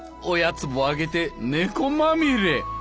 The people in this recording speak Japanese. おやつもあげて猫まみれ。